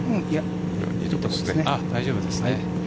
大丈夫ですね。